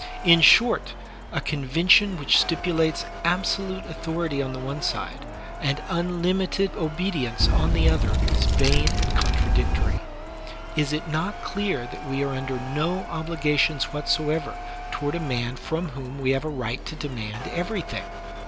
In short, a convention which stipulates absolute authority on the one side and unlimited obedience on the other is vain and contradictory. Is it not clear that we are under no obli gations whatsoever toward a man from whom we have a right to demand everything